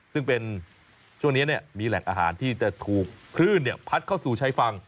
ซึ่งเป็นช่วงนี้มีแหล่งอาหารที่จะถูกคลื่นพัดเข้าสู่ชายฝั่ง